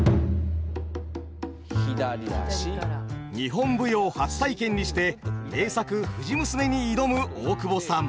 日本舞踊初体験にして名作「藤娘」に挑む大久保さん。